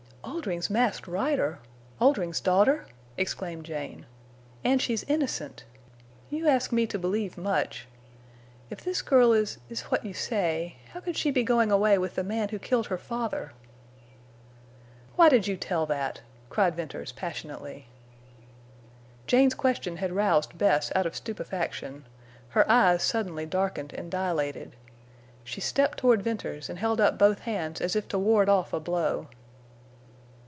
"Oldring's Masked Rider! Oldring's daughter!" exclaimed Jane. "And she's innocent! You ask me to believe much. If this girl is—is what you say, how could she be going away with the man who killed her father?" "Why did you tell that?" cried Venters, passionately. Jane's question had roused Bess out of stupefaction. Her eyes suddenly darkened and dilated. She stepped toward Venters and held up both hands as if to ward off a blow.